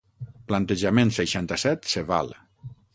Plantejament seixanta-set se val.